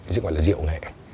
dựng gọi là diệu nghệ